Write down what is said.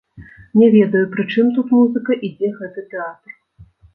Не ведаю, пры чым тут музыка і дзе гэты тэатр.